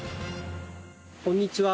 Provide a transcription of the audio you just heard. こんにちは。